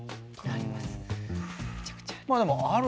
めちゃくちゃある。